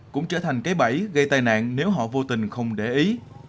cũng trở thành cái bẫy gây tai nạn nếu họ vô tình không để ý